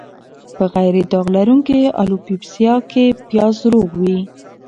په غیر داغ لرونکې الوپیسیا کې پیاز روغ وي.